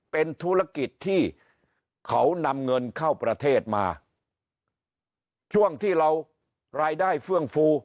เป็นธุรกิจที่เขานำเงินเข้าประเทศมาช่วงที่เรารายได้เฟื่องฟู